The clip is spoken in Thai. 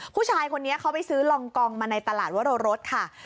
ผู้ชายคนนี้เขาไปซื้อลองกองมาในตลาดวรรสค่ะ